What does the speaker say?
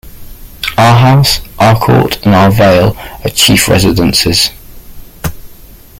R. House, R. Court, and R. Vale are chief residences.